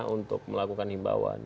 untuk melakukan himbauan